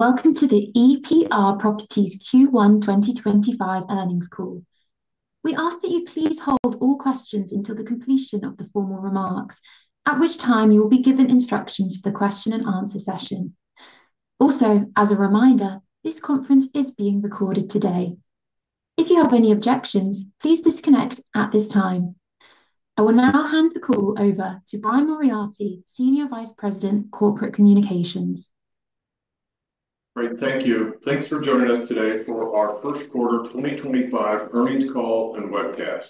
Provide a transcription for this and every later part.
Welcome to the EPR Properties Q1 2025 earnings call. We ask that you please hold all questions until the completion of the formal remarks, at which time you will be given instructions for the question and answer session. Also, as a reminder, this conference is being recorded today. If you have any objections, please disconnect at this time. I will now hand the call over to Brian Moriarty, Senior Vice President, Corporate Communications. Great, thank you. Thanks for joining us today for our first quarter 2025 earnings call and webcast.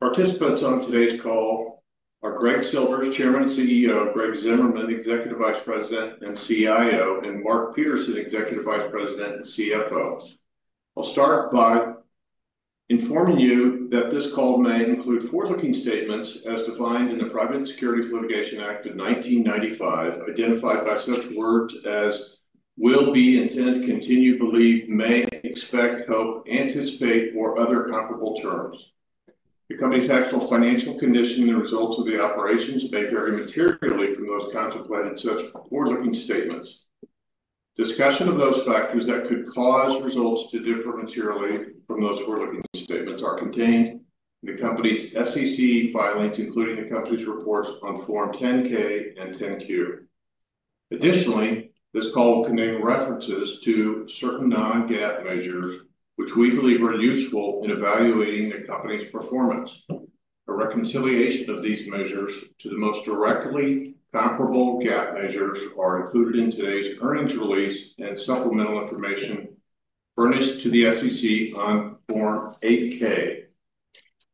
Participants on today's call are Greg Silvers, Chairman and CEO; Greg Zimmerman, Executive Vice President and CIO; and Mark Peterson, Executive Vice President and CFO. I'll start by informing you that this call may include forward-looking statements as defined in the Private Securities Litigation Reform Act of 1995, identified by such words as "will be, intend, continue, believe, may, expect, hope, anticipate," or other comparable terms. The company's actual financial condition and the results of the operations may vary materially from those contemplated in such forward-looking statements. Discussion of those factors that could cause results to differ materially from those forward-looking statements is contained in the company's SEC filings, including the company's reports on Form 10-K and 10-Q. Additionally, this call will contain references to certain non-GAAP measures, which we believe are useful in evaluating the company's performance. A reconciliation of these measures to the most directly comparable GAAP measures is included in today's earnings release and supplemental information furnished to the SEC on Form 8-K.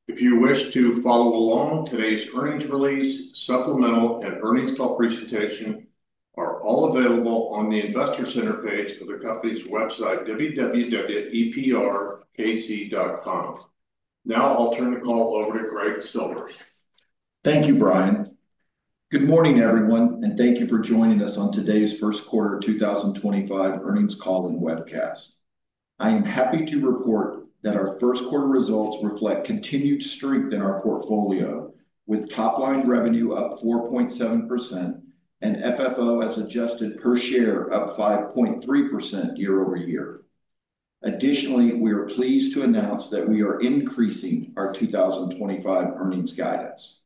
If you wish to follow along, today's earnings release, supplemental, and earnings call presentation are all available on the Investor Center page of the company's website, www.eprkc.com. Now I'll turn the call over to Greg Silvers. Thank you, Brian. Good morning, everyone, and thank you for joining us on today's first quarter 2025 earnings call and webcast. I am happy to report that our first quarter results reflect continued strength in our portfolio, with top-line revenue up 4.7% and FFO as adjusted per share up 5.3% year-over-year. Additionally, we are pleased to announce that we are increasing our 2025 earnings status.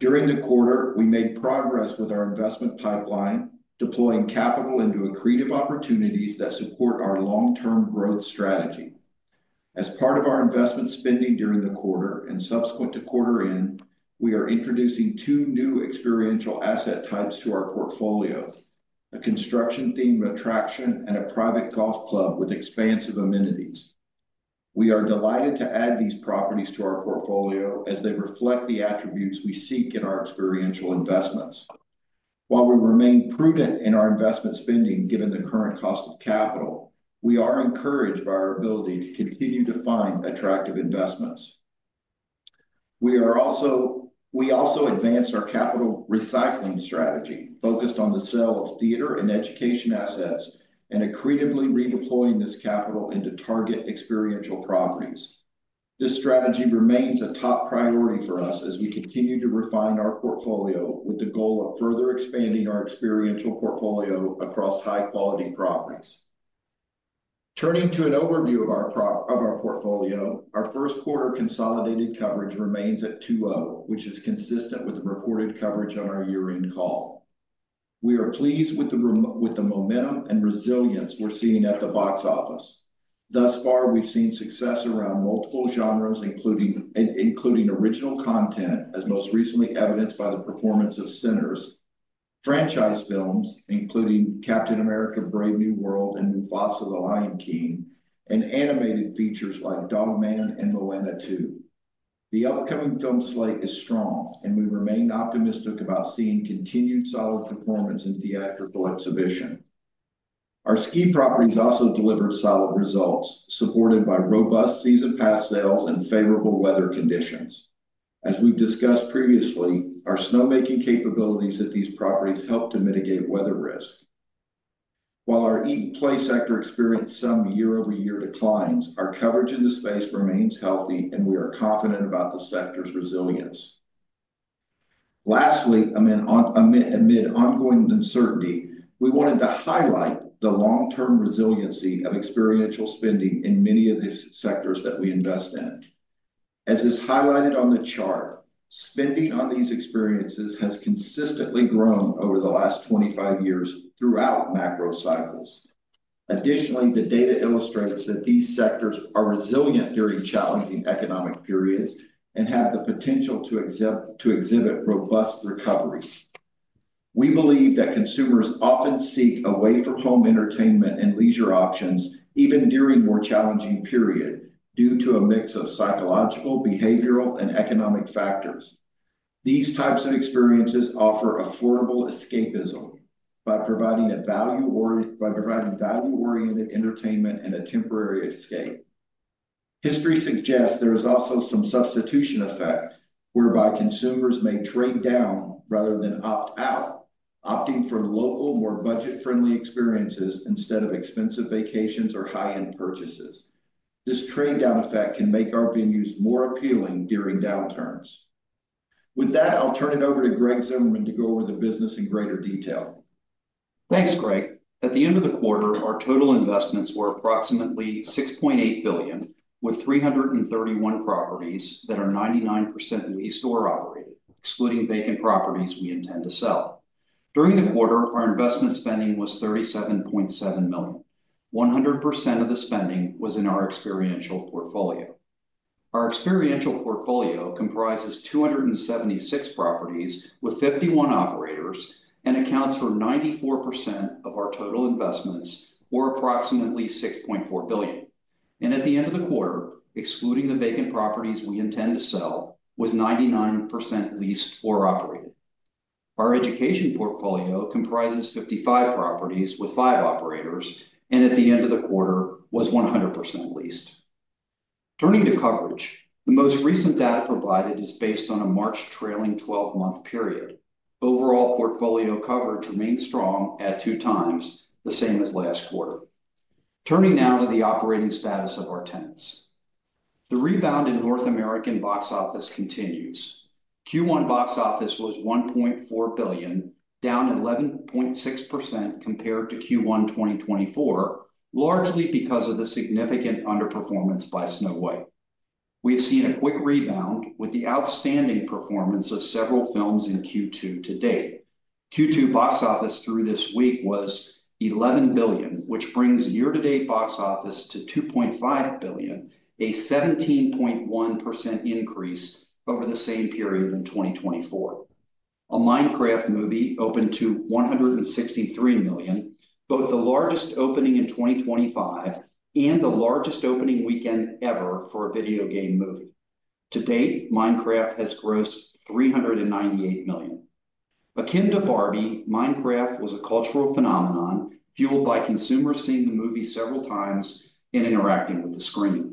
During the quarter, we made progress with our investment pipeline, deploying capital into accretive opportunities that support our long-term growth strategy. As part of our investment spending during the quarter and subsequent to quarter end, we are introducing two new experiential asset types to our portfolio: a construction-themed attraction and a private golf club with expansive amenities. We are delighted to add these properties to our portfolio as they reflect the attributes we seek in our experiential investments. While we remain prudent in our investment spending given the current cost of capital, we are encouraged by our ability to continue to find attractive investments. We also advance our capital recycling strategy, focused on the sale of theater and education assets and accretively redeploying this capital into target experiential properties. This strategy remains a top priority for us as we continue to refine our portfolio with the goal of further expanding our experiential portfolio across high-quality properties. Turning to an overview of our portfolio, our first quarter consolidated coverage remains at 2.0, which is consistent with the reported coverage on our year-end call. We are pleased with the momentum and resilience we're seeing at the box office. Thus far, we've seen success around multiple genres, including original content, as most recently evidenced by the performance of Centers, franchise films, including Captain America: Brave New World and Mufasa: The Lion King, and animated features like Dog Man and Moana 2. The upcoming film slate is strong, and we remain optimistic about seeing continued solid performance in theatrical exhibition. Our Ski properties also delivered solid results, supported by robust season pass sales and favorable weather conditions. As we've discussed previously, our snow-making capabilities at these properties help to mitigate weather risk. While our eat-and-play sector experienced some year-over-year declines, our coverage in the space remains healthy, and we are confident about the sector's resilience. Lastly, amid ongoing uncertainty, we wanted to highlight the long-term resiliency of experiential spending in many of these sectors that we invest in. As is highlighted on the chart, spending on these experiences has consistently grown over the last 25 years throughout macro cycles. Additionally, the data illustrates that these sectors are resilient during challenging economic periods and have the potential to exhibit robust recoveries. We believe that consumers often seek away-from-home entertainment and leisure options even during more challenging periods due to a mix of psychological, behavioral, and economic factors. These types of experiences offer affordable escapism by providing value-oriented entertainment and a temporary escape. History suggests there is also some substitution effect, whereby consumers may trade down rather than opt out, opting for local, more budget-friendly experiences instead of expensive vacations or high-end purchases. This trade-down effect can make our venues more appealing during downturns. With that, I'll turn it over to Greg Zimmerman to go over the business in greater detail. Thanks, Greg. At the end of the quarter, our total investments were approximately $6.8 billion, with 331 properties that are 99% leased or operated, excluding vacant properties we intend to sell. During the quarter, our investment spending was $37.7 million. 100% of the spending was in our experiential portfolio. Our experiential portfolio comprises 276 properties with 51 operators and accounts for 94% of our total investments, or approximately $6.4 billion. At the end of the quarter, excluding the vacant properties we intend to sell, it was 99% leased or operated. Our education portfolio comprises 55 properties with 5 operators, and at the end of the quarter, it was 100% leased. Turning to coverage, the most recent data provided is based on a March trailing 12-month period. Overall portfolio coverage remains strong at 2 times, the same as last quarter. Turning now to the operating status of our tenants. The rebound in North American box office continues. Q1 box office was $1.4 billion, down 11.6% compared to Q1 2024, largely because of the significant underperformance by Snow White. We have seen a quick rebound with the outstanding performance of several films in Q2 to date. Q2 box office through this week was $1.1 billion, which brings year-to-date box office to $2.5 billion, a 17.1% increase over the same period in 2024. A Minecraft movie opened to $163 million, both the largest opening in 2025 and the largest opening weekend ever for a video game movie. To date, Minecraft has grossed $398 million. Akin to Barbie, Minecraft was a cultural phenomenon fueled by consumers seeing the movie several times and interacting with the screen.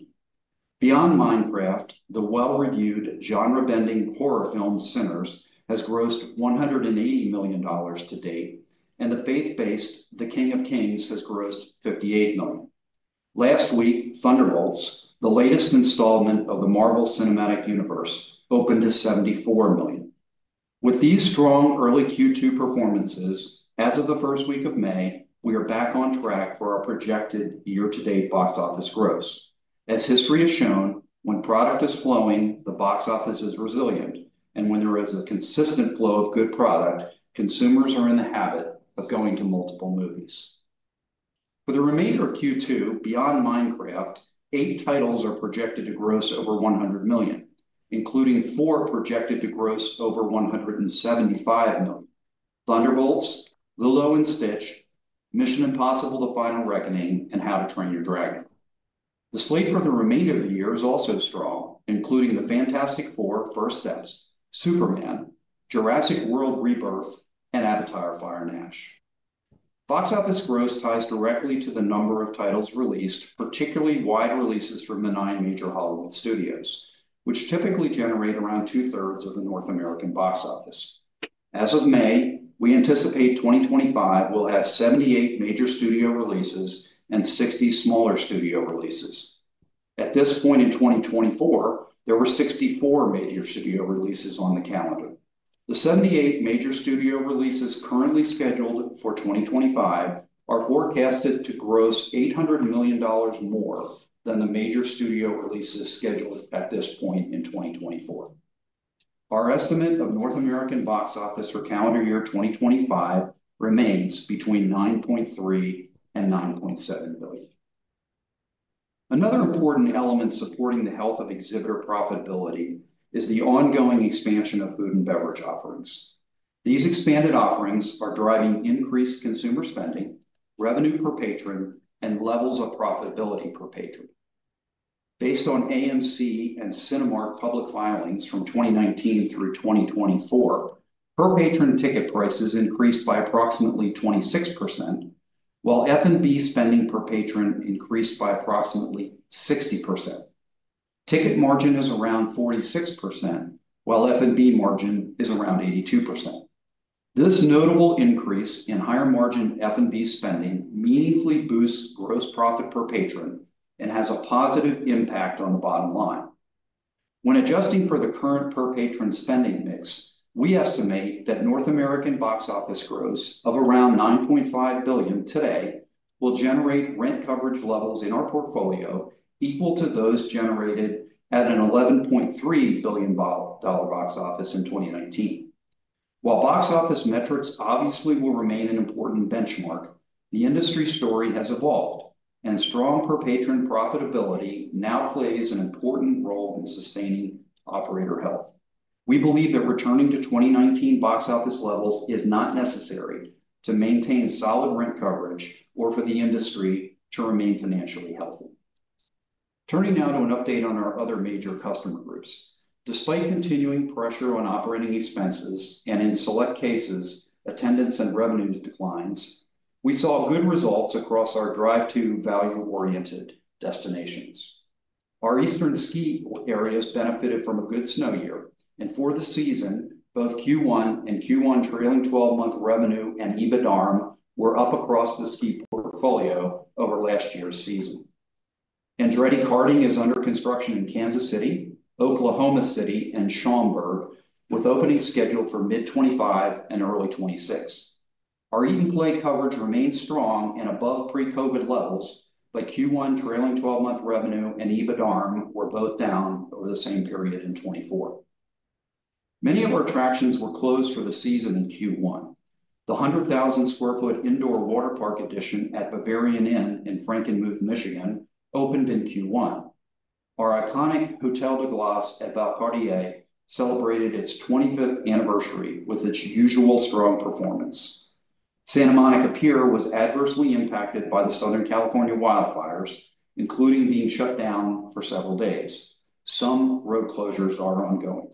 Beyond Minecraft, the well-reviewed genre-bending horror film Centers has grossed $180 million to date, and the faith-based The King of Kings has grossed $58 million. Last week, Thunderbolts, the latest installment of the Marvel Cinematic Universe, opened to $74 million. With these strong early Q2 performances, as of the first week of May, we are back on track for our projected year-to-date box office gross. As history has shown, when product is flowing, the box office is resilient, and when there is a consistent flow of good product, consumers are in the habit of going to multiple movies. For the remainder of Q2, beyond Minecraft, eight titles are projected to gross over $100 million, including four projected to gross over $175 million: Thunderbolts, Lilo & Stitch, Mission: Impossible - The Final Reckoning, and How to Train Your Dragon. The slate for the remainder of the year is also strong, including The Fantastic Four: First Steps, Superman, Jurassic World: Rebirth, and Avatar: Fire & Ash. Box office gross ties directly to the number of titles released, particularly wide releases from the nine major Hollywood studios, which typically generate around two-thirds of the North American box office. As of May, we anticipate 2025 will have 78 major studio releases and 60 smaller studio releases. At this point in 2024, there were 64 major studio releases on the calendar. The 78 major studio releases currently scheduled for 2025 are forecasted to gross $800 million more than the major studio releases scheduled at this point in 2024. Our estimate of North American box office for calendar year 2025 remains between $9.3 billion and $9.7 billion. Another important element supporting the health of exhibitor profitability is the ongoing expansion of food and beverage offerings. These expanded offerings are driving increased consumer spending, revenue per patron, and levels of profitability per patron. Based on AMC and Cinemark public filings from 2019 through 2024, per patron ticket prices increased by approximately 26%, while F&B spending per patron increased by approximately 60%. Ticket margin is around 46%, while F&B margin is around 82%. This notable increase in higher margin F&B spending meaningfully boosts gross profit per patron and has a positive impact on the bottom line. When adjusting for the current per patron spending mix, we estimate that North American box office gross of around $9.5 billion today will generate rent coverage levels in our portfolio equal to those generated at an $11.3 billion box office in 2019. While box office metrics obviously will remain an important benchmark, the industry story has evolved, and strong per patron profitability now plays an important role in sustaining operator health. We believe that returning to 2019 box office levels is not necessary to maintain solid rent coverage or for the industry to remain financially healthy. Turning now to an update on our other major customer groups. Despite continuing pressure on operating expenses and in select cases, attendance and revenues declines, we saw good results across our drive-to value-oriented destinations. Our eastern Ski areas benefited from a good snow year, and for the season, both Q1 and Q1 trailing 12-month revenue and EBITDA were up across the Ski portfolio over last year's season. Andretti Karting is under construction in Kansas City, Oklahoma City, and Schaumburg, with openings scheduled for mid-2025 and early 2026. Our eat-and-play coverage remains strong and above pre-COVID levels, but Q1 trailing 12-month revenue and EBITDA were both down over the same period in 2024. Many of our attractions were closed for the season in Q1. 100,000 sq ft indoor water park addition at Bavarian Inn in Frankenmuth, Michigan, opened in Q1. Our iconic Hotel du Glace at Beloeil celebrated its 25th anniversary with its usual strong performance. Santa Monica Pier was adversely impacted by the Southern California wildfires, including being shut down for several days. Some road closures are ongoing.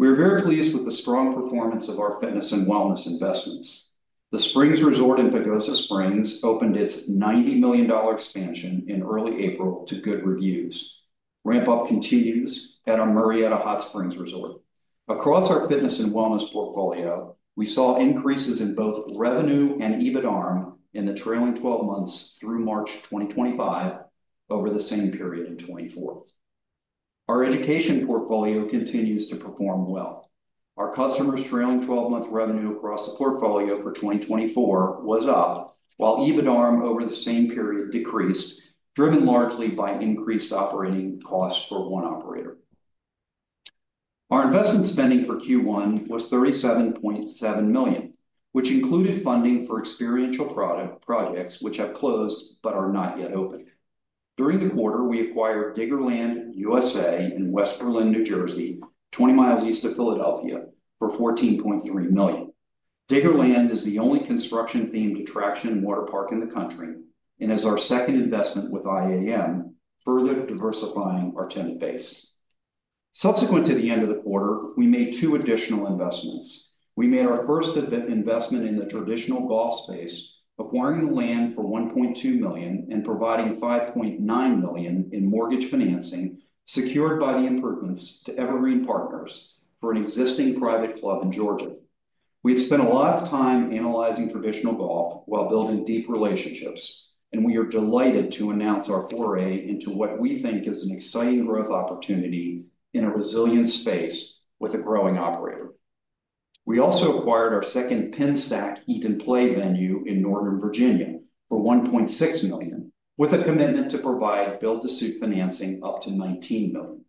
We are very pleased with the strong performance of our Fitness and Wellness investments. The Springs Resort in Pagosa Springs opened its $90 million expansion in early April to good reviews. Ramp-up continues at our Marietta Hot Springs Resort. Across our Fitness and Wellness portfolio, we saw increases in both revenue and EBITDA in the trailing 12 months through March 2025 over the same period in 2024. Our education portfolio continues to perform well. Our customers' trailing 12-month revenue across the portfolio for 2024 was up, while EBITDA over the same period decreased, driven largely by increased operating costs for one operator. Our investment spending for Q1 was $37.7 million, which included funding for experiential projects which have closed but are not yet open. During the quarter, we acquired Diggerland USA in West Berlin, New Jersey, 20 mi east of Philadelphia, for $14.3 million. Diggerland is the only construction-themed attraction and water park in the country and is our second investment with IAM, further diversifying our tenant base. Subsequent to the end of the quarter, we made two additional investments. We made our first investment in the traditional golf space, acquiring the land for $1.2 million and providing $5.9 million in mortgage financing secured by the improvements to Evergreen Partners for an existing private club in Georgia. We had spent a lot of time analyzing traditional golf while building deep relationships, and we are delighted to announce our foray into what we think is an exciting growth opportunity in a resilient space with a growing operator. We also acquired our second PennSAC eat-and-play venue in Northern Virginia for $1.6 million, with a commitment to provide build-to-suit financing up to $19 million.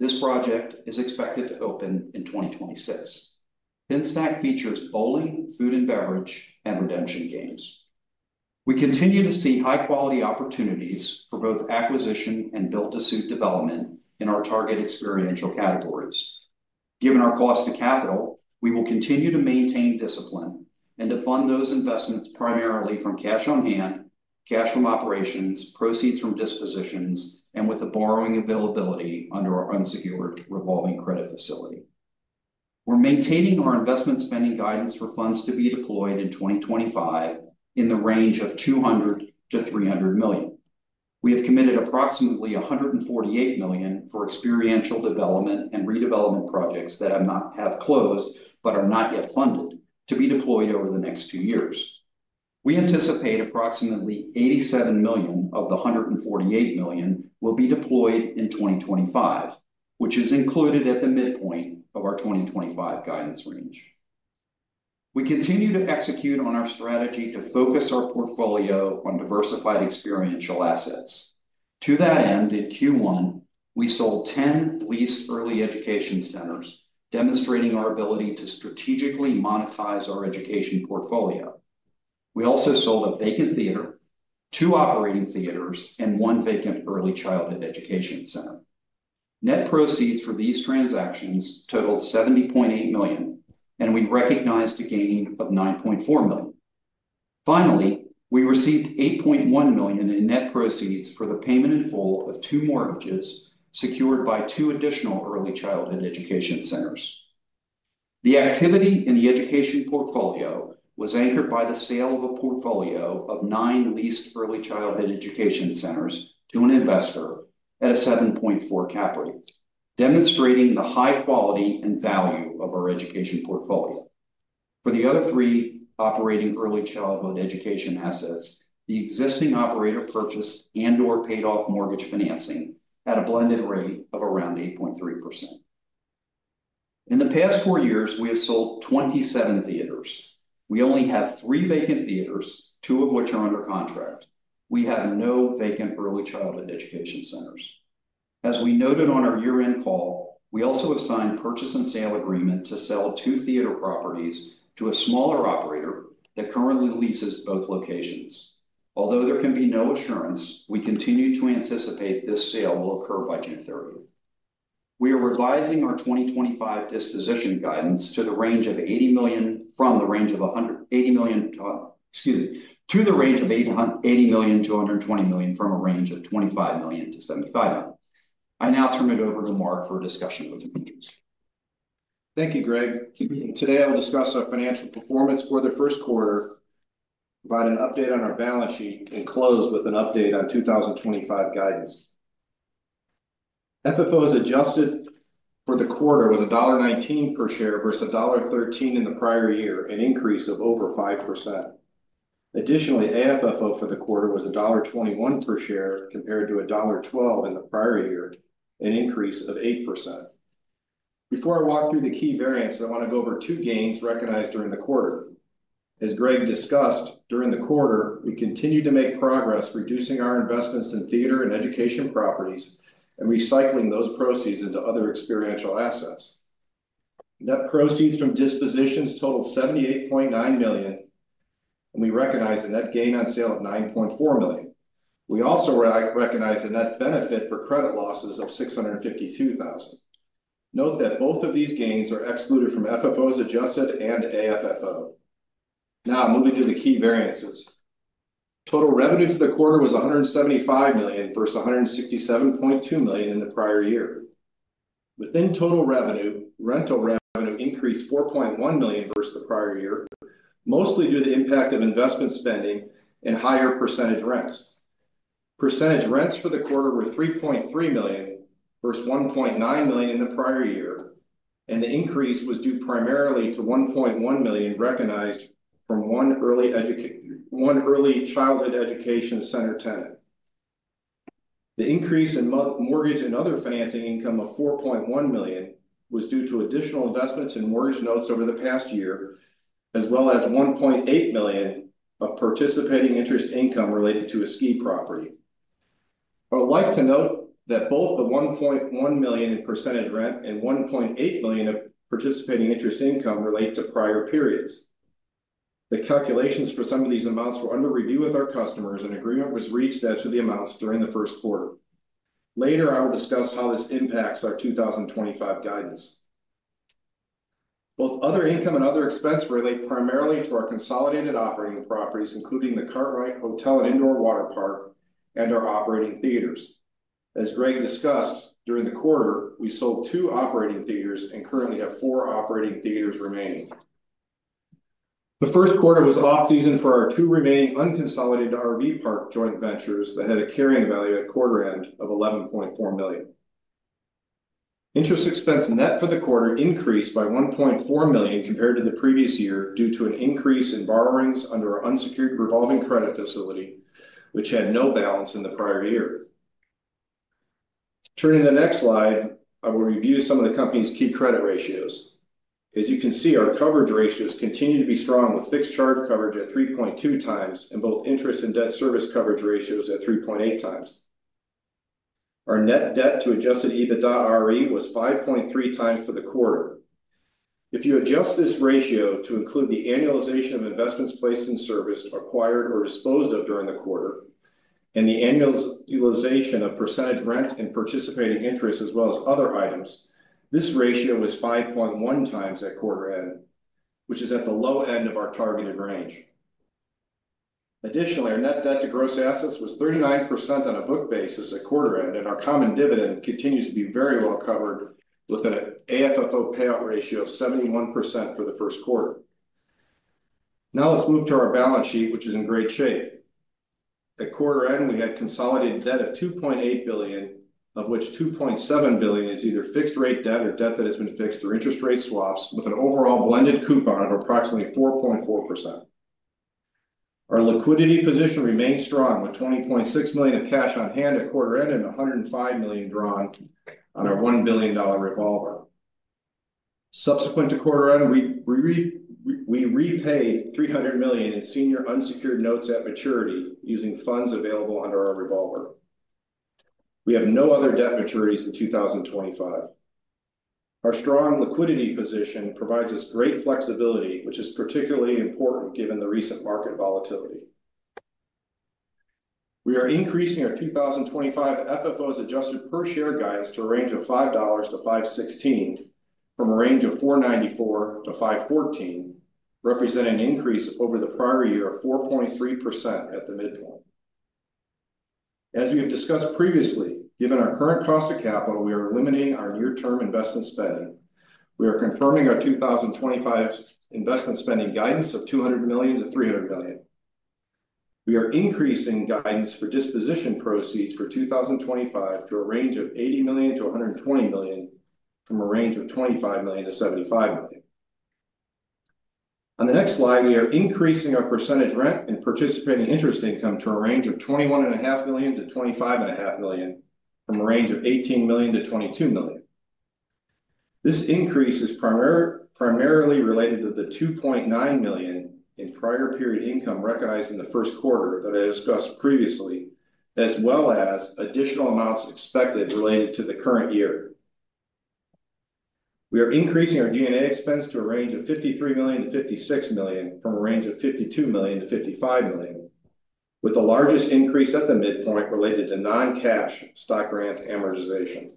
This project is expected to open in 2026. PennSAC features bowling, food and beverage, and redemption games. We continue to see high-quality opportunities for both acquisition and build-to-suit development in our target experiential categories. Given our cost to capital, we will continue to maintain discipline and to fund those investments primarily from cash on hand, cash from operations, proceeds from dispositions, and with the borrowing availability under our unsecured revolving credit facility. We're maintaining our investment spending guidance for funds to be deployed in 2025 in the range of $200 million-$300 million. We have committed approximately $148 million for experiential development and redevelopment projects that have closed but are not yet funded to be deployed over the next few years. We anticipate approximately $87 million of the $148 million will be deployed in 2025, which is included at the midpoint of our 2025 guidance range. We continue to execute on our strategy to focus our portfolio on diversified experiential assets. To that end, in Q1, we sold 10 leased early education centers, demonstrating our ability to strategically monetize our education portfolio. We also sold a vacant theater, two operating theaters, and one vacant early childhood education center. Net proceeds for these transactions totaled $70.8 million, and we recognized a gain of $9.4 million. Finally, we received $8.1 million in net proceeds for the payment in full of two mortgages secured by two additional early childhood education centers. The activity in the education portfolio was anchored by the sale of a portfolio of nine leased early childhood education centers to an investor at a 7.4% cap rate, demonstrating the high quality and value of our education portfolio. For the other three operating early childhood education assets, the existing operator purchased and/or paid off mortgage financing at a blended rate of around 8.3%. In the past four years, we have sold 27 theaters. We only have three vacant theaters, two of which are under contract. We have no vacant early childhood education centers. As we noted on our year-end call, we also have signed purchase and sale agreement to sell two theater properties to a smaller operator that currently leases both locations. Although there can be no assurance, we continue to anticipate this sale will occur by June 30. We are revising our 2025 disposition guidance to the range of $80 million-$120 million from a range of $25 million-$75 million. I now turn it over to Mark for a discussion with the patrons. Thank you, Greg. Today, I will discuss our financial performance for the first quarter, provide an update on our balance sheet, and close with an update on 2025 guidance. FFO as adjusted for the quarter was $1.19 per share versus $1.13 in the prior year, an increase of over 5%. Additionally, AFFO for the quarter was $1.21 per share compared to $1.12 in the prior year, an increase of 8%. Before I walk through the key variants, I want to go over two gains recognized during the quarter. As Greg discussed, during the quarter, we continued to make progress reducing our investments in theater and education properties and recycling those proceeds into other experiential assets. Net proceeds from dispositions totaled $78.9 million, and we recognized a net gain on sale of $9.4 million. We also recognized a net benefit for credit losses of $652,000. Note that both of these gains are excluded from FFO as adjusted and AFFO. Now, moving to the key variances. Total revenue for the quarter was $175 million versus $167.2 million in the prior year. Within total revenue, rental revenue increased $4.1 million versus the prior year, mostly due to the impact of investment spending and higher percentage rents. Percentage rents for the quarter were $3.3 million versus $1.9 million in the prior year, and the increase was due primarily to $1.1 million recognized from one early childhood education center tenant. The increase in mortgage and other financing income of $4.1 million was due to additional investments in mortgage notes over the past year, as well as $1.8 million of participating interest income related to a Ski property. I would like to note that both the $1.1 million in percentage rent and $1.8 million of participating interest income relate to prior periods. The calculations for some of these amounts were under review with our customers, and agreement was reached as to the amounts during the first quarter. Later, I will discuss how this impacts our 2025 guidance. Both other income and other expense relate primarily to our consolidated operating properties, including the Cartwright Hotel and Indoor Water Park and our operating theaters. As Greg discussed, during the quarter, we sold two operating theaters and currently have four operating theaters remaining. The first quarter was off-season for our two remaining unconsolidated RV Park joint ventures that had a carrying value at quarter-end of $11.4 million. Interest expense net for the quarter increased by $1.4 million compared to the previous year due to an increase in borrowings under our unsecured revolving credit facility, which had no balance in the prior year. Turning to the next slide, I will review some of the company's key credit ratios. As you can see, our coverage ratios continue to be strong with fixed charge coverage at 3.2 times and both interest and debt service coverage ratios at 3.8 times. Our net debt to adjusted EBITDA was 5.3 times for the quarter. If you adjust this ratio to include the annualization of investments placed in service, acquired, or disposed of during the quarter, and the annualization of percentage rent and participating interest as well as other items, this ratio was 5.1 times at quarter-end, which is at the low end of our targeted range. Additionally, our net debt to gross assets was 39% on a book basis at quarter-end, and our common dividend continues to be very well covered with an AFFO payout ratio of 71% for the first quarter. Now let's move to our balance sheet, which is in great shape. At quarter-end, we had consolidated debt of $2.8 billion, of which $2.7 billion is either fixed-rate debt or debt that has been fixed through interest rate swaps, with an overall blended coupon of approximately 4.4%. Our liquidity position remained strong with $20.6 million of cash on hand at quarter-end and $105 million drawn on our $1 billion revolver. Subsequent to quarter-end, we repaid $300 million in senior unsecured notes at maturity using funds available under our revolver. We have no other debt maturities in 2025. Our strong liquidity position provides us great flexibility, which is particularly important given the recent market volatility. We are increasing our 2025 FFO as adjusted per share guidance to a range of $5.00-$5.16 from a range of $4.94-$5.14, representing an increase over the prior year of 4.3% at the midpoint. As we have discussed previously, given our current cost of capital, we are eliminating our near-term investment spending. We are confirming our 2025 investment spending guidance of $200 million-$300 million. We are increasing guidance for disposition proceeds for 2025 to a range of $80 million-$120 million from a range of $25 million-$75 million. On the next slide, we are increasing our percentage rent and participating interest income to a range of $21.5 million-$25.5 million from a range of $18 million-$22 million. This increase is primarily related to the $2.9 million in prior period income recognized in the first quarter that I discussed previously, as well as additional amounts expected related to the current year. We are increasing our G&A expense to a range of $53 million-$56 million from a range of $52 million-$55 million, with the largest increase at the midpoint related to non-cash stock grant amortization.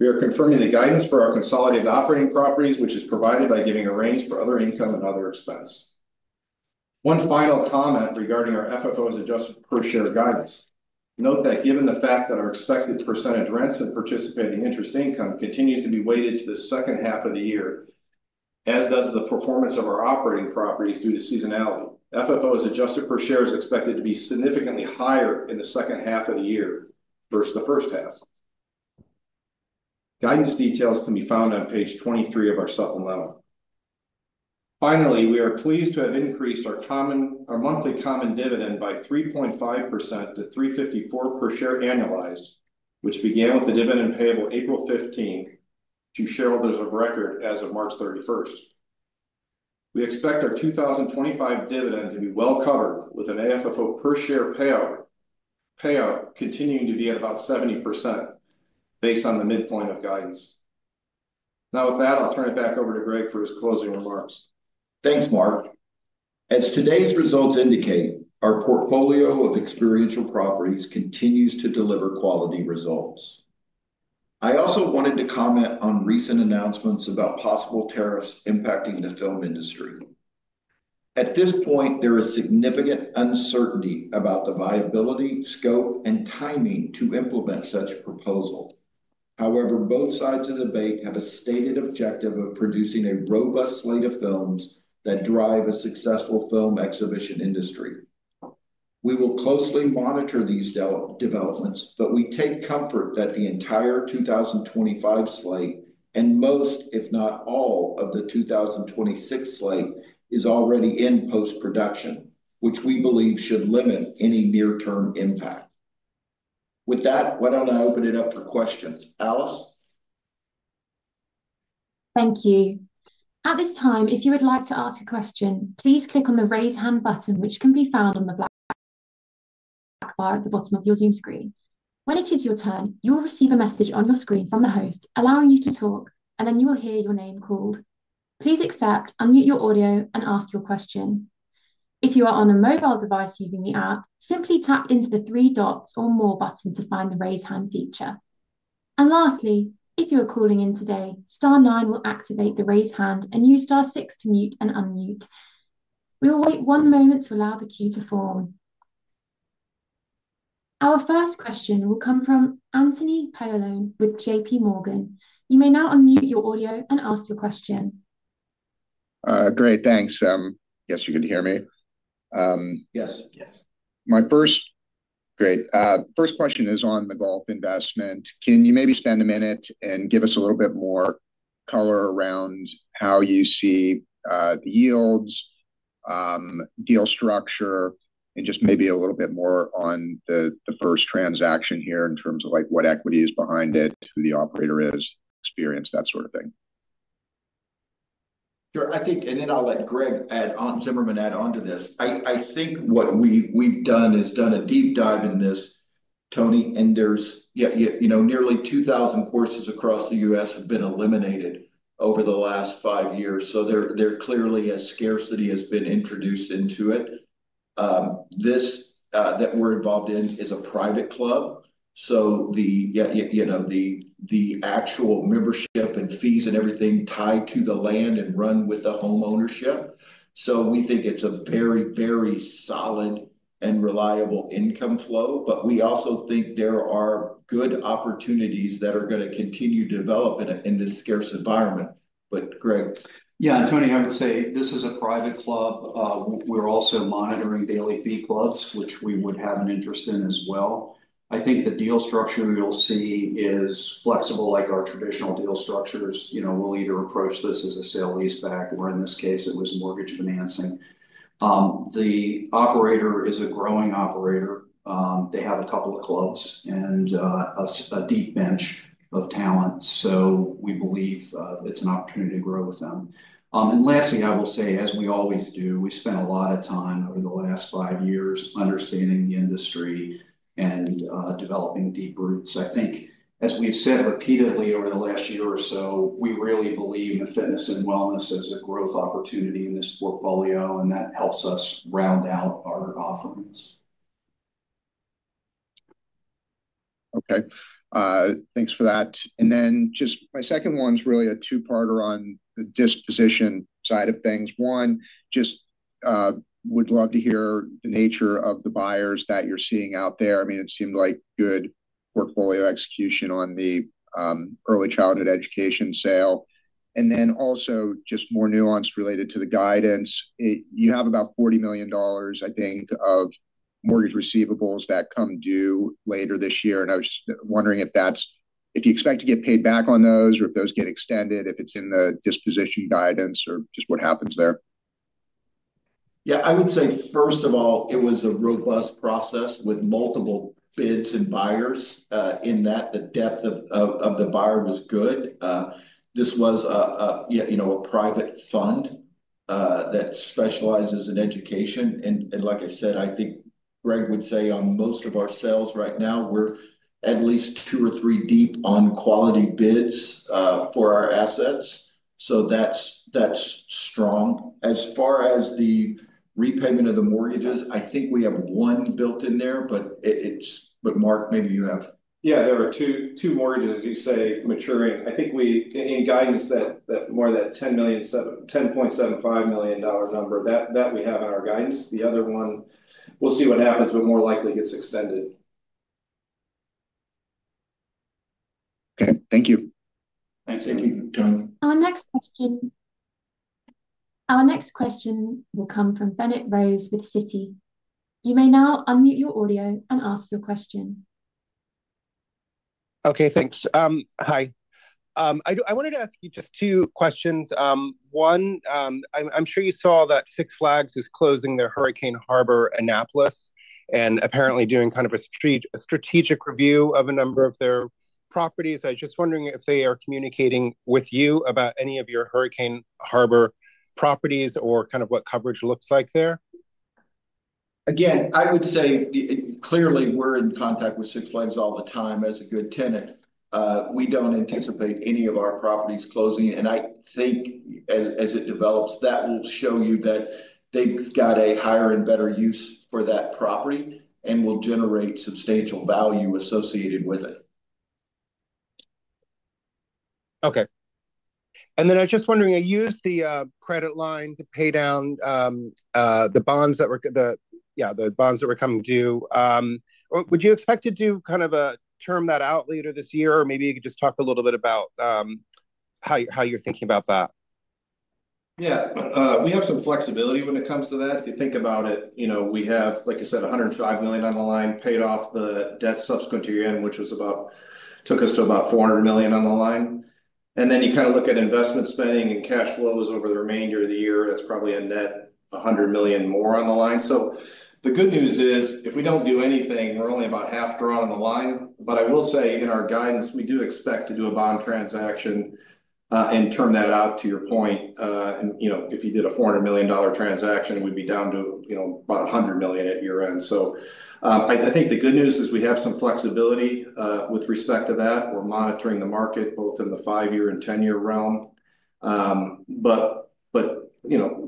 We are confirming the guidance for our consolidated operating properties, which is provided by giving a range for other income and other expense. One final comment regarding our FFO as adjusted per share guidance. Note that given the fact that our expected percentage rents and participating interest income continues to be weighted to the second half of the year, as does the performance of our operating properties due to seasonality, FFO as adjusted per share is expected to be significantly higher in the second half of the year versus the first half. Guidance details can be found on page 23 of our supplemental. Finally, we are pleased to have increased our monthly common dividend by 3.5% to $3.54 per share annualized, which began with the dividend payable April 15th to shareholders of record as of March 31st. We expect our 2025 dividend to be well covered with an AFFO per share payout continuing to be at about 70% based on the midpoint of guidance. Now, with that, I'll turn it back over to Greg for his closing remarks. Thanks, Mark. As today's results indicate, our portfolio of experiential properties continues to deliver quality results. I also wanted to comment on recent announcements about possible tariffs impacting the film industry. At this point, there is significant uncertainty about the viability, scope, and timing to implement such a proposal. However, both sides of the debate have a stated objective of producing a robust slate of films that drive a successful film exhibition industry. We will closely monitor these developments, but we take comfort that the entire 2025 slate and most, if not all, of the 2026 slate is already in post-production, which we believe should limit any near-term impact. With that, why do not I open it up for questions? Alice? Thank you. At this time, if you would like to ask a question, please click on the raise hand button, which can be found on the black bar at the bottom of your Zoom screen. When it is your turn, you will receive a message on your screen from the host allowing you to talk, and then you will hear your name called. Please accept, unmute your audio, and ask your question. If you are on a mobile device using the app, simply tap into the three dots or more button to find the raise hand feature. Lastly, if you are calling in today, star 9 will activate the raise hand and use star 6 to mute and unmute. We will wait one moment to allow the queue to form. Our first question will come from Anthony Paolone with JP Morgan. You may now unmute your audio and ask your question. Great. Thanks. Yes, you can hear me? Yes. Yes. My first. Great. First question is on the golf investment. Can you maybe spend a minute and give us a little bit more color around how you see the yields, deal structure, and just maybe a little bit more on the first transaction here in terms of what equity is behind it, who the operator is, experience, that sort of thing? Sure. I think, and then I'll let Greg Zimmerman add on to this. I think what we've done is done a deep dive in this, Tony, and there's nearly 2,000 courses across the US have been eliminated over the last five years. So there clearly has scarcity has been introduced into it. This that we're involved in is a private club. So the actual membership and fees and everything tied to the land and run with the homeownership. We think it's a very, very solid and reliable income flow. We also think there are good opportunities that are going to continue to develop in this scarce environment. Greg? Yeah. Tony, I would say this is a private club. We're also monitoring daily fee clubs, which we would have an interest in as well. I think the deal structure you'll see is flexible like our traditional deal structures. We'll either approach this as a sale lease back, or in this case, it was mortgage financing. The operator is a growing operator. They have a couple of clubs and a deep bench of talent. We believe it's an opportunity to grow with them. Lastly, I will say, as we always do, we spent a lot of time over the last five years understanding the industry and developing deep roots. I think, as we've said repeatedly over the last year or so, we really believe in Fitness and Wellness as a growth opportunity in this portfolio, and that helps us round out our offerings. Okay. Thanks for that. My second one is really a two-parter on the disposition side of things. One, just would love to hear the nature of the buyers that you're seeing out there. I mean, it seemed like good portfolio execution on the early childhood education sale. Also, just more nuance related to the guidance. You have about $40 million, I think, of mortgage receivables that come due later this year. I was just wondering if you expect to get paid back on those or if those get extended, if it's in the disposition guidance or just what happens there. Yeah. I would say, first of all, it was a robust process with multiple bids and buyers in that the depth of the buyer was good. This was a private fund that specializes in education. Like I said, I think Greg would say on most of our sales right now, we're at least two or three deep on quality bids for our assets. That's strong. As far as the repayment of the mortgages, I think we have one built in there, but Mark, maybe you have. Yeah. There are two mortgages you say maturing. I think in guidance that more of that $10.75 million number, that we have in our guidance. The other one, we'll see what happens, but more likely gets extended. Okay. Thank you. Thanks. Thank you. Our next question will come from Bennett Rose with Citi. You may now unmute your audio and ask your question. Okay. Thanks. Hi. I wanted to ask you just two questions. One, I'm sure you saw that Six Flags is closing their Hurricane Harbor Annapolis and apparently doing kind of a strategic review of a number of their properties. I was just wondering if they are communicating with you about any of your Hurricane Harbor properties or kind of what coverage looks like there. Again, I would say clearly we're in contact with Six Flags all the time as a good tenant. We don't anticipate any of our properties closing. I think as it develops, that will show you that they've got a higher and better use for that property and will generate substantial value associated with it. Okay. I was just wondering, I used the credit line to pay down the bonds that were, yeah, the bonds that were coming due. Would you expect to do kind of a term that out later this year? Or maybe you could just talk a little bit about how you're thinking about that. Yeah. We have some flexibility when it comes to that. If you think about it, we have, like I said, $105 million on the line, paid off the debt subsequent to year end, which took us to about $400 million on the line. You kind of look at investment spending and cash flows over the remainder of the year, it's probably a net $100 million more on the line. The good news is if we do not do anything, we're only about half drawn on the line. I will say in our guidance, we do expect to do a bond transaction and turn that out to your point. If you did a $400 million transaction, we'd be down to about $100 million at year end. I think the good news is we have some flexibility with respect to that. We're monitoring the market both in the five-year and ten-year realm.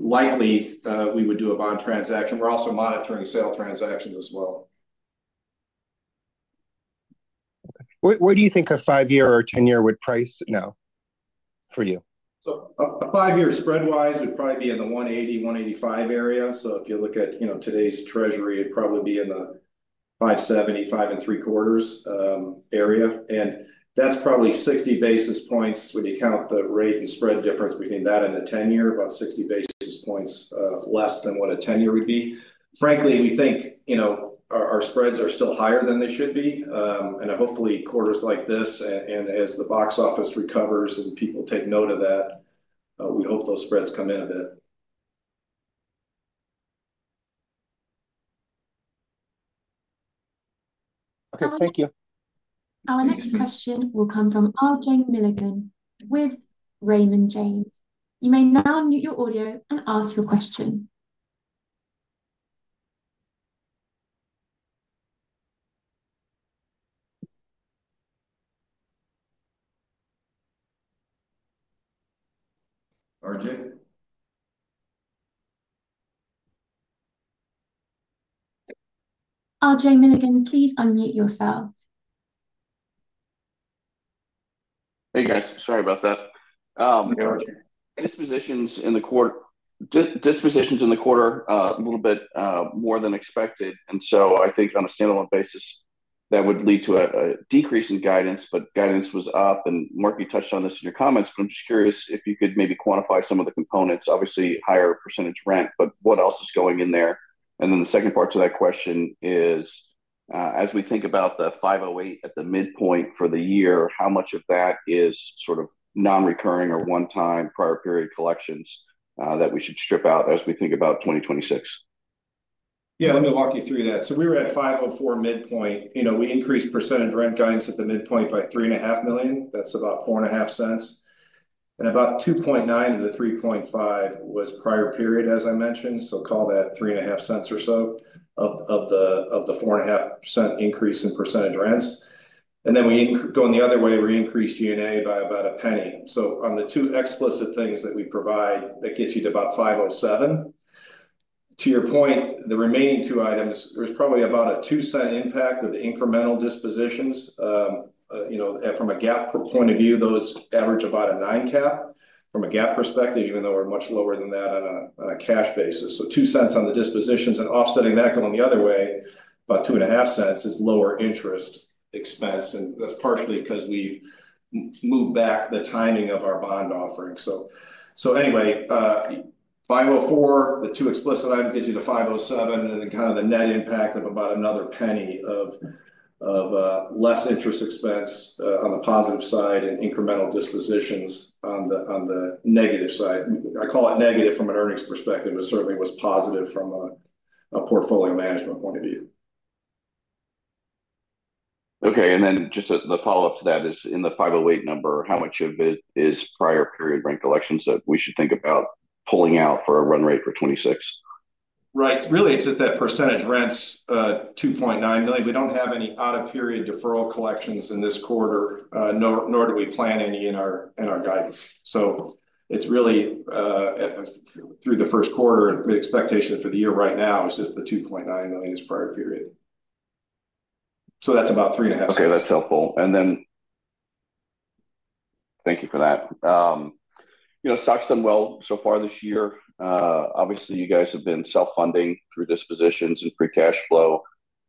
Likely, we would do a bond transaction. We're also monitoring sale transactions as well. Where do you think a five-year or ten-year would price now for you? A five-year spread-wise would probably be in the 180-185 area. If you look at today's treasury, it'd probably be in the 570, 5 and three quarters area. That is probably 60 basis points when you count the rate and spread difference between that and the ten-year, about 60 basis points less than what a ten-year would be. Frankly, we think our spreads are still higher than they should be. Hopefully, quarters like this and as the box office recovers and people take note of that, we hope those spreads come in a bit. Thank you. Our next question will come from RJ Milligan with Raymond James. You may now unmute your audio and ask your question. RJ? RJ Milligan, please unmute yourself. Hey, guys. Sorry about that. Dispositions in the quarter a little bit more than expected. I think on a standalone basis, that would lead to a decrease in guidance. Guidance was up. Mark, you touched on this in your comments, but I'm just curious if you could maybe quantify some of the components. Obviously, higher percentage rent, but what else is going in there? The second part to that question is, as we think about the $5.08 at the midpoint for the year, how much of that is sort of non-recurring or one-time prior period collections that we should strip out as we think about 2026? Yeah. Let me walk you through that. We were at $5.04 midpoint. We increased percentage rent guidance at the midpoint by $3.5 million. That's about $0.045. About $2.9 million of the $3.5 million was prior period, as I mentioned. Call that $0.035 or so of the $0.045 increase in percentage rents. We increased G&A by about a penny. On the two explicit things that we provide, that gets you to about $0.507. To your point, the remaining two items, there is probably about a $0.02 impact of the incremental dispositions. From a GAAP point of view, those average about a 9% cap from a GAAP perspective, even though we are much lower than that on a cash basis. $0.02 on the dispositions. Offsetting that going the other way, about $0.025 is lower interest expense. That is partially because we have moved back the timing of our bond offering. Anyway, $5.04, the two explicit items gives you the $5.07 and then kind of the net impact of about another penny of less interest expense on the positive side and incremental dispositions on the negative side. I call it negative from an earnings perspective, but certainly was positive from a portfolio management point of view. Okay. Just the follow-up to that is in the $5.08 number, how much of it is prior period rent collections that we should think about pulling out for a run rate for 2026? Right. Really, it is just that percentage rents, $2.9 million. We do not have any out-of-period deferral collections in this quarter, nor do we plan any in our guidance. It is really through the first quarter. The expectation for the year right now is just the $2.9 million is prior period. That is about $0.035. Okay. That is helpful. Thank you for that. Stock's done well so far this year. Obviously, you guys have been self-funding through dispositions and pre-cash flow.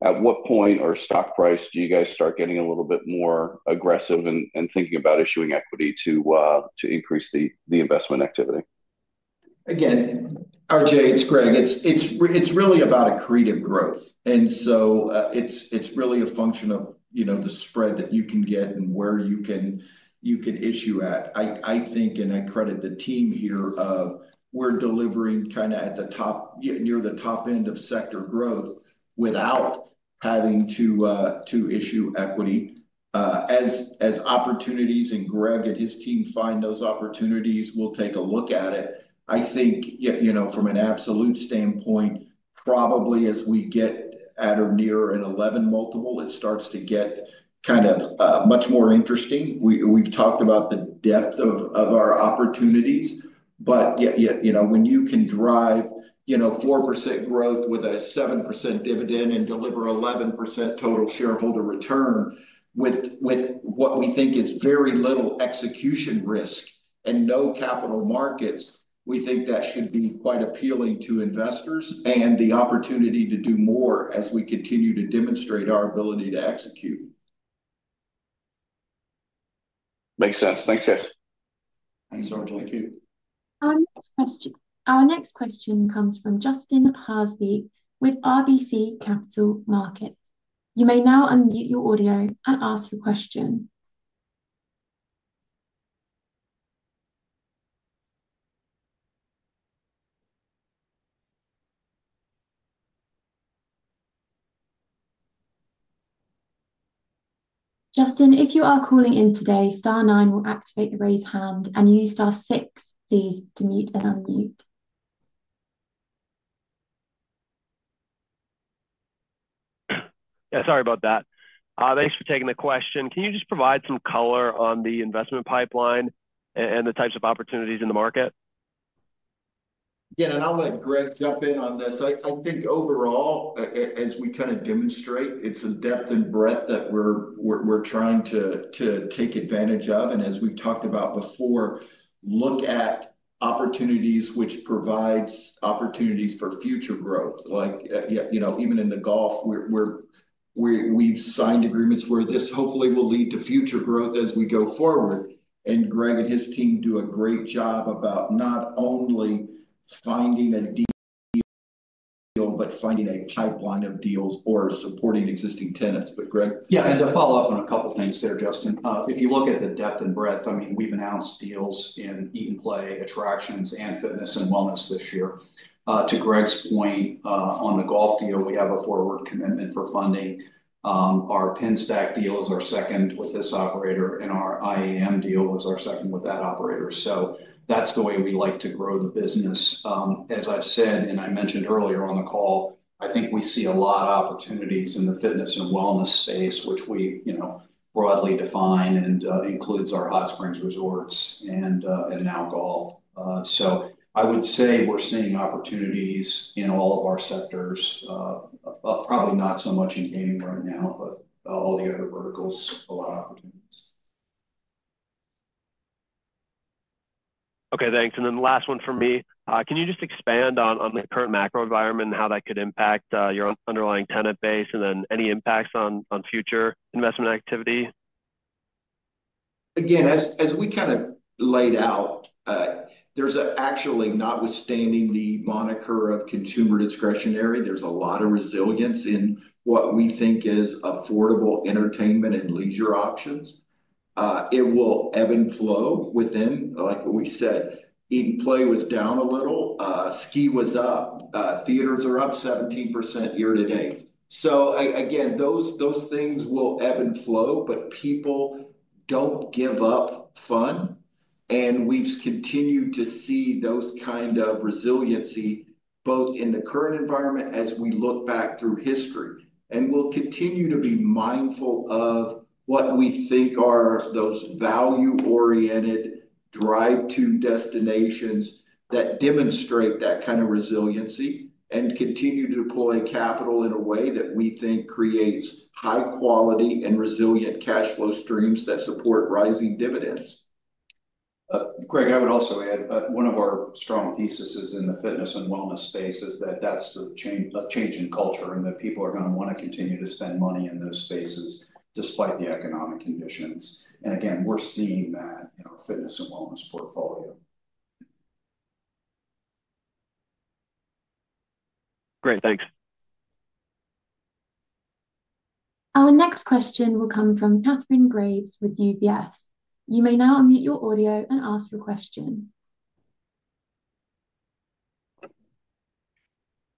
At what point or stock price do you guys start getting a little bit more aggressive and thinking about issuing equity to increase the investment activity? Again, RJ, it's Greg. It's really about accretive growth. And so it's really a function of the spread that you can get and where you can issue at. I think, and I credit the team here, we're delivering kind of near the top end of sector growth without having to issue equity. As opportunities and Greg and his team find those opportunities, we'll take a look at it. I think from an absolute standpoint, probably as we get at or near an 11 multiple, it starts to get kind of much more interesting. We've talked about the depth of our opportunities. But when you can drive 4% growth with a 7% dividend and deliver 11% total shareholder return with what we think is very little execution risk and no capital markets, we think that should be quite appealing to investors and the opportunity to do more as we continue to demonstrate our ability to execute. Makes sense. Thanks, guys. Thanks, RJ. Thank you. Our next question comes from Justin Haasbeek with RBC Capital Markets. You may now unmute your audio and ask your question. Justin, if you are calling in today, star 9 will activate the raise hand. And you, star 6, please demute and unmute. Yeah. Sorry about that. Thanks for taking the question. Can you just provide some color on the investment pipeline and the types of opportunities in the market? Yeah. And I'll let Greg jump in on this. I think overall, as we kind of demonstrate, it's a depth and breadth that we're trying to take advantage of. As we've talked about before, look at opportunities which provide opportunities for future growth. Even in the Gulf, we've signed agreements where this hopefully will lead to future growth as we go forward. Greg and his team do a great job about not only finding a deal, but finding a pipeline of deals or supporting existing tenants. Greg? Yeah. To follow up on a couple of things there, Justin. If you look at the depth and breadth, I mean, we've announced deals in Eat&Play attractions and Fitness and Wellness this year. To Greg's point, on the Golf deal, we have a forward commitment for funding. Our PennSAC deal is our second with this operator. Our IAM deal was our second with that operator. That's the way we like to grow the business. As I said, and I mentioned earlier on the call, I think we see a lot of opportunities in the Fitness and Wellness space, which we broadly define and includes our Hot Springs Resorts and now Golf. I would say we're seeing opportunities in all of our sectors. Probably not so much in gaming right now, but all the other verticals, a lot of opportunities. Okay. Thanks. The last one for me. Can you just expand on the current macro environment and how that could impact your underlying tenant base and then any impacts on future investment activity? Again, as we kind of laid out, there's actually notwithstanding the moniker of consumer discretionary, there's a lot of resilience in what we think is affordable entertainment and leisure options. It will ebb and flow within. Like we said, Eat and Play was down a little. Ski was up. Theatres are up 17% year to date. Those things will ebb and flow, but people do not give up fun. We have continued to see that kind of resiliency both in the current environment as we look back through history. We will continue to be mindful of what we think are those value-oriented drive-to destinations that demonstrate that kind of resiliency and continue to deploy capital in a way that we think creates high-quality and resilient cash flow streams that support rising dividends. Greg, I would also add one of our strong theses in the Fitness and Wellness space is that that is the change in culture and that people are going to want to continue to spend money in those spaces despite the economic conditions. We are seeing that in our Fitness and Wellness portfolio. Great. Thanks. Our next question will come from Catherine Graves with UBS. You may now unmute your audio and ask your question.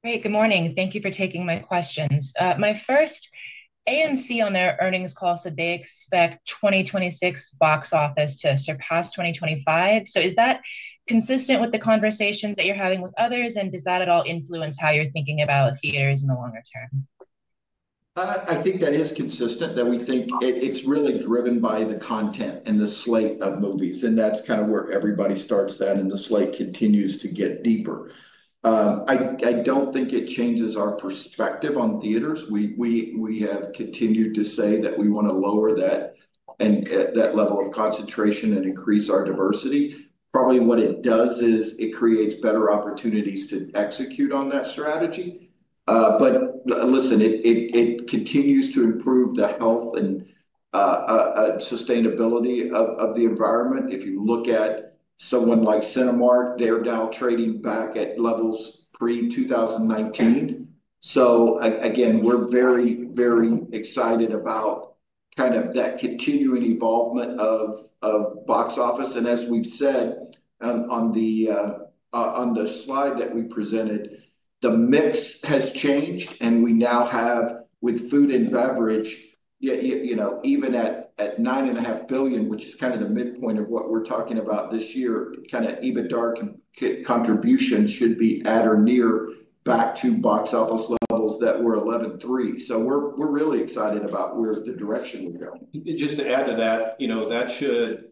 Hey, good morning. Thank you for taking my questions. My first, AMC on their earnings call said they expect 2026 box office to surpass 2025. Is that consistent with the conversations that you're having with others? Does that at all influence how you're thinking about theaters in the longer term? I think that is consistent, that we think it's really driven by the content and the slate of movies. That's kind of where everybody starts that, and the slate continues to get deeper. I don't think it changes our perspective on theaters. We have continued to say that we want to lower that level of concentration and increase our diversity. Probably what it does is it creates better opportunities to execute on that strategy. Listen, it continues to improve the health and sustainability of the environment. If you look at someone like Cinemark, they are now trading back at levels pre-2019. We are very, very excited about kind of that continuing evolvement of box office. As we have said on the slide that we presented, the mix has changed. We now have, with food and beverage, even at $9.5 billion, which is kind of the midpoint of what we are talking about this year, kind of EBITDA contributions should be at or near back to box office levels that were $11.3 billion. We are really excited about where the direction we are going. Just to add to that, that should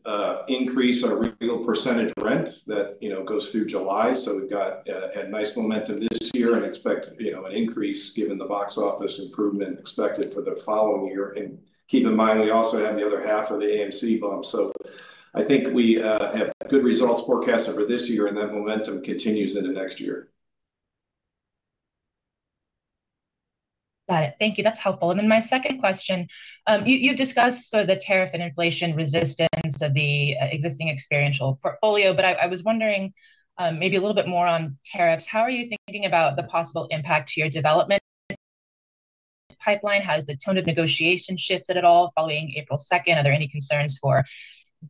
increase our real percentage rent that goes through July. We have had nice momentum this year and expect an increase given the box office improvement expected for the following year. Keep in mind, we also have the other half of the AMC bump. I think we have good results forecasted for this year, and that momentum continues into next year. Got it. Thank you. That's helpful. My second question, you've discussed sort of the tariff and inflation resistance of the existing experiential portfolio, but I was wondering maybe a little bit more on tariffs. How are you thinking about the possible impact to your development pipeline? Has the tone of negotiation shifted at all following April 2nd? Are there any concerns for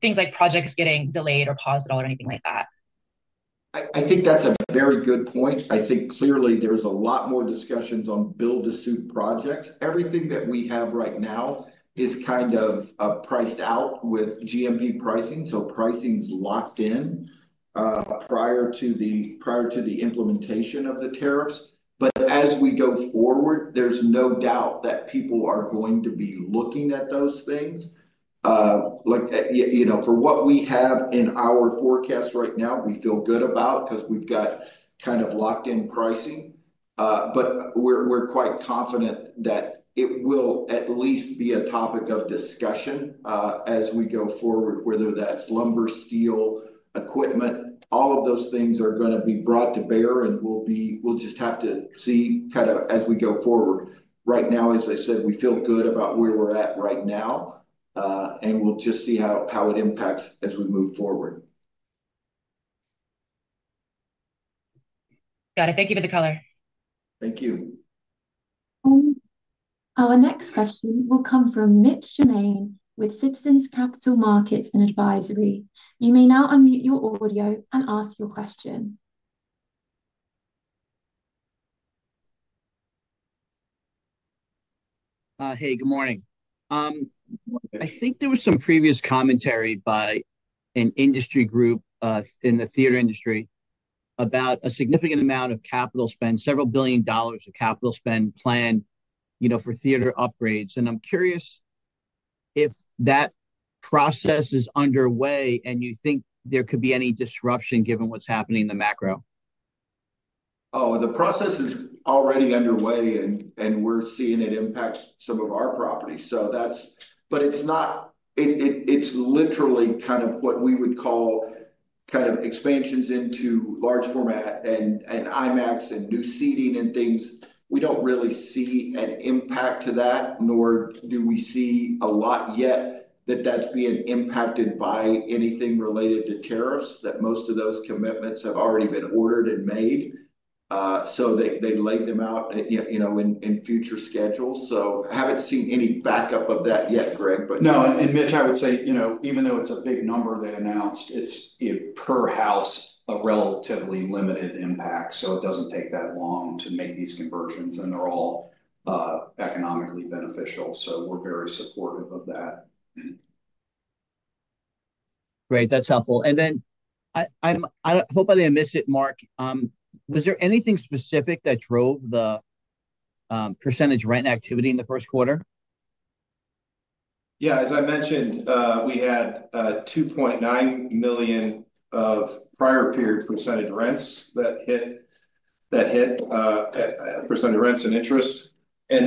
things like projects getting delayed or paused at all or anything like that? I think that's a very good point. I think clearly there's a lot more discussions on build-to-suit projects. Everything that we have right now is kind of priced out with GMP pricing. Pricing's locked-in prior to the implementation of the tariffs. As we go forward, there's no doubt that people are going to be looking at those things. For what we have in our forecast right now, we feel good about because we've got kind of locked-in pricing. We're quite confident that it will at least be a topic of discussion as we go forward, whether that's lumber, steel, equipment. All of those things are going to be brought to bear, and we'll just have to see as we go forward. Right now, as I said, we feel good about where we're at right now, and we'll just see how it impacts as we move forward. Got it. Thank you for the color. Thank you. Our next question will come from Mitch Shimane with Citizens Capital Markets and Advisory. You may now unmute your audio and ask your question. Hey, good morning. I think there was some previous commentary by an industry group in the theater industry about a significant amount of capital spend, several billion dollars of capital spend planned for theater upgrades. I'm curious if that process is underway and you think there could be any disruption given what's happening in the macro. The process is already underway, and we're seeing it impact some of our property. It's literally kind of what we would call expansions into large format and IMAX and new seating and things. We don't really see an impact to that, nor do we see a lot yet that's being impacted by anything related to tariffs, that most of those commitments have already been ordered and made. They laid them out in future schedules. I haven't seen any backup of that yet, Greg, but. No, and Mitch, I would say, even though it's a big number they announced, it's per house a relatively limited impact. It doesn't take that long to make these conversions, and they're all economically beneficial. We're very supportive of that. Great. That's helpful. I hope I didn't miss it, Mark. Was there anything specific that drove the percentage rent activity in the first quarter? Yeah. As I mentioned, we had $2.9 million of prior-period percentage rents that hit percentage rents and interest. In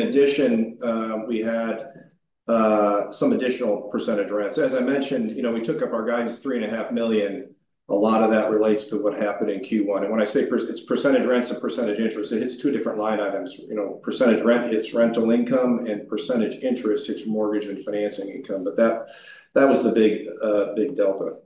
addition, we had some additional percentage rents. As I mentioned, we took up our guidance $3.5 million. A lot of that relates to what happened in Q1. When I say it's percentage rents and percentage interest, it hits two different line items. Percentage rent hits rental income, and percentage interest hits mortgage and financing income. That was the big delta.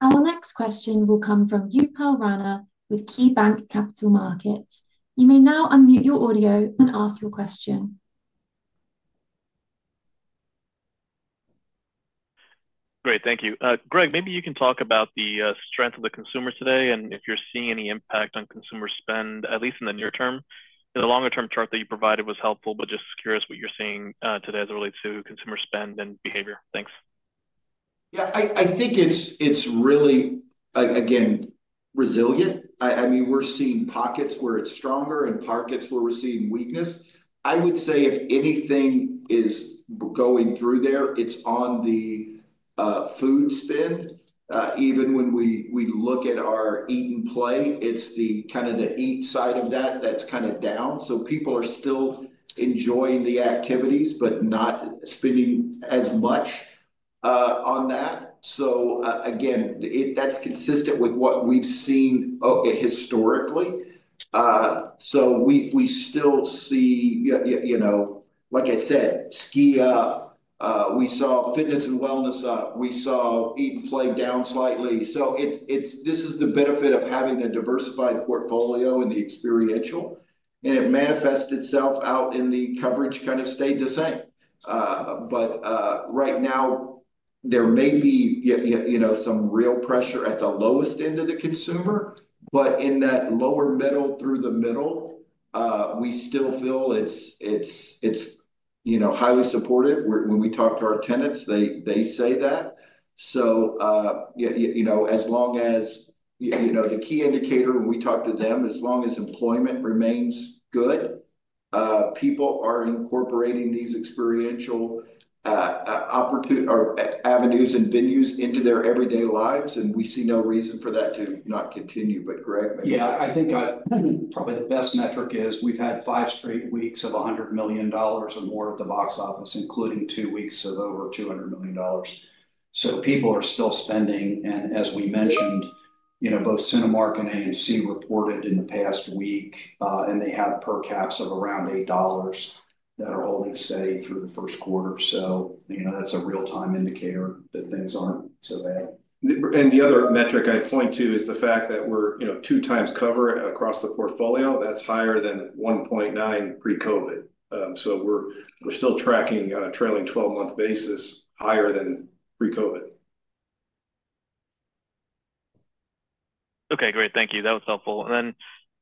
Our next question will come from Upal Rana with KeyBanc Capital Markets. You may now unmute your audio and ask your question. Great. Thank you. Greg, maybe you can talk about the strength of the consumer today and if you're seeing any impact on consumer spend, at least in the near term. The longer-term chart that you provided was helpful, but just curious what you're seeing today as it relates to consumer spend and behavior. Thanks. Yeah. I think it's really, again, resilient. I mean, we're seeing pockets where it's stronger and pockets where we're seeing weakness. I would say if anything is going through there, it's on the food spend. Even when we look at our Eat and Play, it's kind of the eat side of that that's kind of down. People are still enjoying the activities, but not spending as much on that. Again, that's consistent with what we've seen historically. We still see, like I said, Ski up. We saw Fitness and Wellness up. We saw Eat and Play down slightly. This is the benefit of having a diversified portfolio and the experiential. It manifests itself out in the coverage kind of stayed the same. Right now, there may be some real pressure at the lowest end of the consumer. In that lower middle through the middle, we still feel it's highly supportive. When we talk to our tenants, they say that. As long as the key indicator, when we talk to them, as long as employment remains good, people are incorporating these experiential avenues and venues into their everyday lives. We see no reason for that to not continue. Greg, maybe. Yeah. I think probably the best metric is we've had five straight weeks of $100 million or more at the box office, including two weeks of over $200 million. People are still spending. As we mentioned, both Cinemark and AMC reported in the past week, and they have per caps of around $8 that are holding steady through the first quarter. That is a real-time indicator that things aren't so bad. The other metric I point to is the fact that we're two times cover across the portfolio. That is higher than 1.9% pre-COVID. So we're still tracking on a trailing 12-month basis higher than pre-COVID. Okay. Great. Thank you. That was helpful.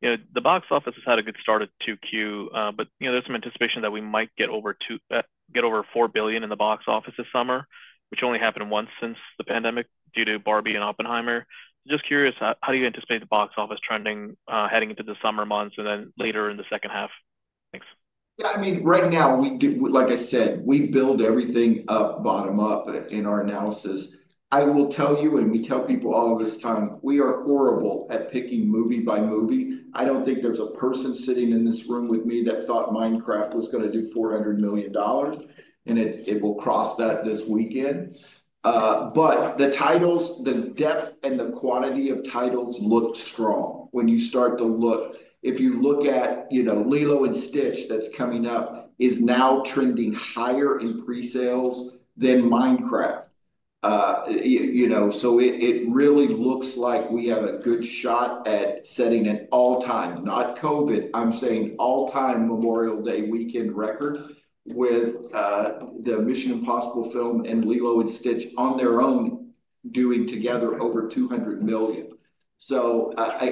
The box office has had a good start at 2Q, but there's some anticipation that we might get over $4 billion in the box office this summer, which only happened once since the pandemic due to Barbie and Oppenheimer. Just curious, how do you anticipate the box office trending heading into the summer months and then later in the second half? Thanks. Yeah. I mean, right now, like I said, we build everything up bottom up in our analysis. I will tell you, and we tell people all this time, we are horrible at picking movie by movie. I don't think there's a person sitting in this room with me that thought Minecraft was going to do $400 million, and it will cross that this weekend. The titles, the depth and the quantity of titles look strong. When you start to look, if you look at Lilo & Stitch that's coming up, it is now trending higher in pre-sales than Minecraft. It really looks like we have a good shot at setting an all-time, not COVID, I'm saying all-time Memorial Day weekend record with the Mission: Impossible film and Lilo & Stitch on their own doing together over $200 million.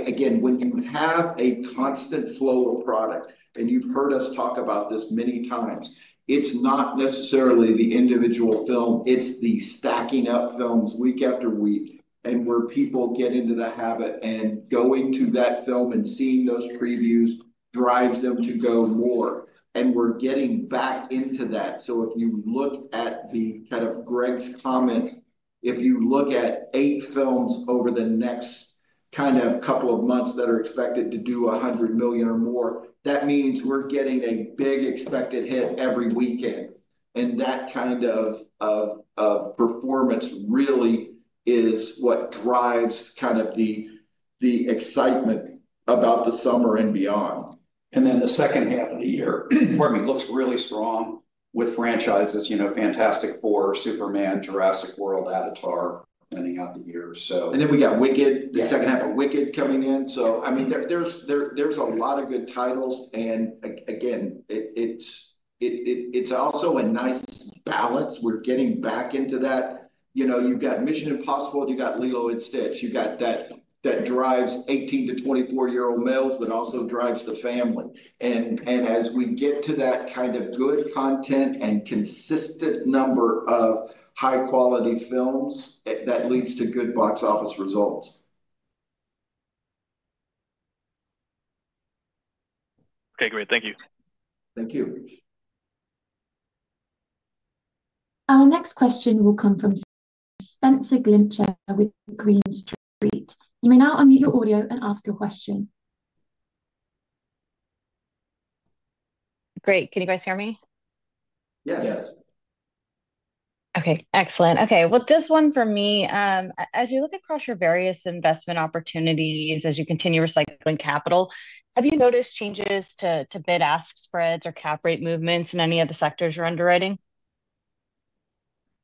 Again, when you have a constant flow of product, and you've heard us talk about this many times, it's not necessarily the individual film. It's the stacking up films week after week, and where people get into the habit and going to that film and seeing those previews drives them to go more. We're getting back into that. If you look at kind of Greg's comments, if you look at eight films over the next couple of months that are expected to do $100 million or more, that means we're getting a big expected hit every weekend. That kind of performance really is what drives kind of the excitement about the summer and beyond. The second half of the year, pardon me, looks really strong with franchises, The Fantastic Four, Superman, Jurassic World, Avatar ending out the year. We got Wicked, the second half of Wicked coming in. I mean, there's a lot of good titles. Again, it's also a nice balance. We're getting back into that. You've got Mission: Impossible, you've got Lilo & Stitch, you've got that drives 18-24-year-old males, but also drives the family. As we get to that kind of good content and consistent number of high-quality films, that leads to good box office results. Okay. Great. Thank you. Thank you. Our next question will come from Spenser Glimcher with Green Street. You may now unmute your audio and ask your question. Great. Can you guys hear me? Yes. Yes. Okay. Excellent. Okay. Just one for me. As you look across your various investment opportunities, as you continue recycling capital, have you noticed changes to bid-ask spreads or cap rate movements in any of the sectors you're underwriting?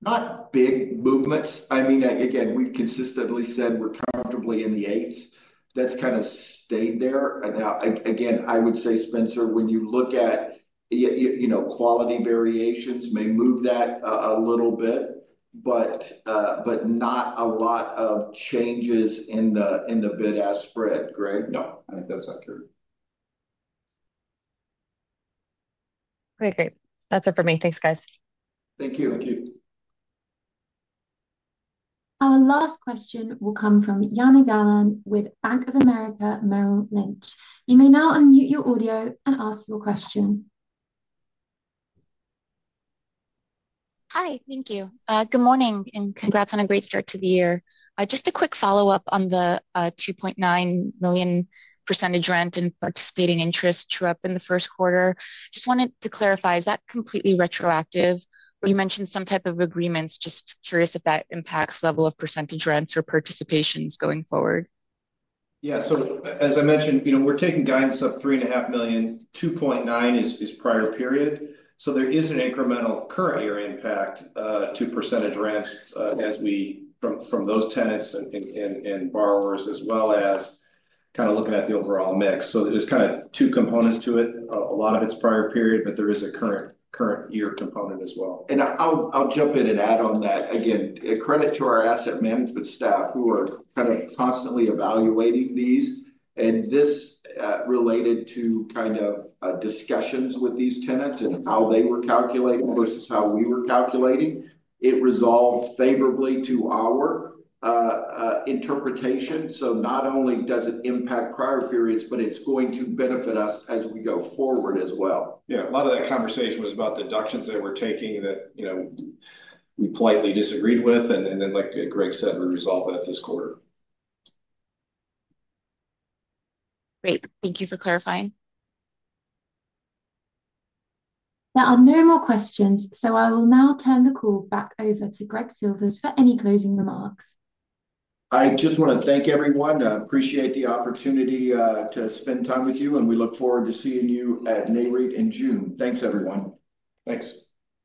Not big movements. I mean, again, we've consistently said we're comfortably in the eights. That's kind of stayed there. I would say, Spenser, when you look at quality variations, may move that a little bit, but not a lot of changes in the bid-ask spread, Greg. No. I think that's accurate. Okay. Great. That's it for me. Thanks, guys. Thank you. Thank you. Our last question will come from Yana Gallen with Bank of America Merrill Lynch. You may now unmute your audio and ask your question. Hi. Thank you. Good morning and congrats on a great start to the year. Just a quick follow-up on the $2.9 million percentage rent and participating interest show up in the first quarter. Just wanted to clarify, is that completely retroactive? Or you mentioned some type of agreements, just curious if that impacts level of percentage rents or participations going forward. Yeah. As I mentioned, we're taking guidance up $3.5 million. $2.9 million is prior period. There is an incremental current-year impact to percentage rents from those tenants and borrowers, as well as kind of looking at the overall mix. There are kind of two components to it. A lot of it is prior period, but there is a current-year component as well. I'll jump in and add on that. Again, credit to our asset management staff who are kind of constantly evaluating these. This related to discussions with these tenants and how they were calculating versus how we were calculating. It resolved favorably to our interpretation. Not only does it impact prior periods, but it is going to benefit us as we go forward as well. Yeah. A lot of that conversation was about deductions that were being taken that we politely disagreed with. Then, like Greg said, we resolved that this quarter. Great. Thank you for clarifying. Now, no more questions. I will now turn the call back over to Greg Silvers for any closing remarks. I just want to thank everyone. Appreciate the opportunity to spend time with you, and we look forward to seeing you at Nareit in June. Thanks, everyone. Thanks.